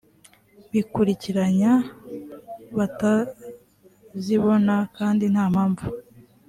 bikurikiranya batazibona kandi nta mpamvu